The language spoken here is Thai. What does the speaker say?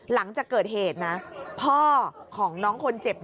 หลังจากเกิดเหตุนะพ่อของน้องคนเจ็บ